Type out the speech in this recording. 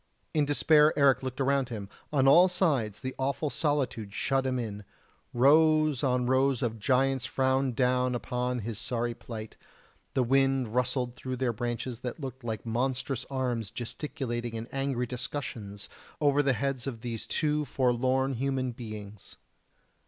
In despair Eric looked around him on all sides the awful solitude shut him in; rows on rows of giants frowned down upon his sorry plight, the wind rustled through their branches that looked like monstrous arms gesticulating in angry discussions over the heads of these two forlorn human beings.